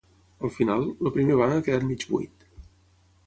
Al final, el primer banc ha quedat mig buit.